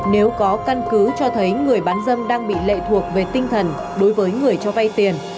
nếu có căn cứ cho thấy người bán dâm đang bị lệ thuộc về tinh thần đối với người cho vay tiền